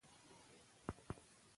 ورته ومي ویل فلسفي مطالعه پریږده،